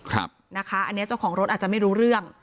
อันนี้เจ้าของรถอาจจะไม่รู้เรื่อง